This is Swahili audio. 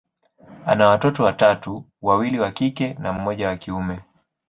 ana watoto watatu, wawili wa kike na mmoja wa kiume.